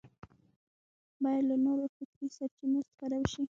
باید له نورو فکري سرچینو استفاده وشي